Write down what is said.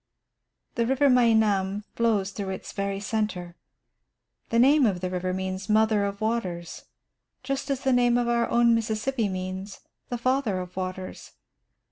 The river Meinam flows through its very centre. The name of the river means "Mother of Waters," just as the name of our own Mississippi means "The Father of Waters."